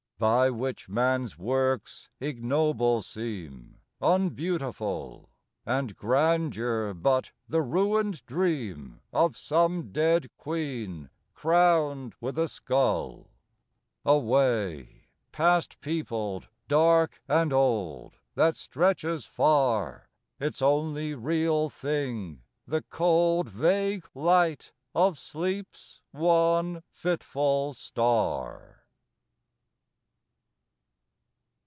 By which man's works ignoble seem, Unbeautiful; And grandeur, but the ruined dream Of some dead queen, crowned with a skull. A way, Past peopled, dark and old, That stretches far Its only real thing, the cold Vague light of Sleep's one fitful star.